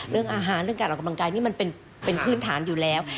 เรื่องอาหารเรื่องการออกกำลังกายนี่มันเป็นพื้นฐานอยู่แล้ว